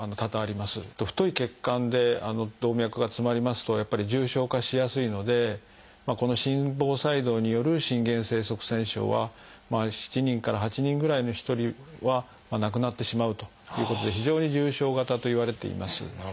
太い血管で動脈が詰まりますとやっぱり重症化しやすいのでこの心房細動による心原性脳塞栓症は７人から８人ぐらいに１人は亡くなってしまうということで非常に重症型といわれています。